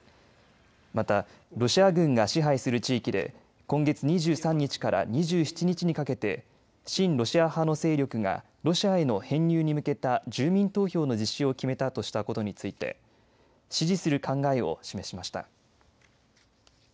またロシア軍が支配する地域で今月２３日から２７日にかけて親ロシア派の勢力がロシアへの編入に向けた住民投票の実施を決めたとしたことについて支持する考えを示しました。